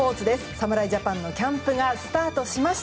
侍ジャパンのキャンプがスタートしました。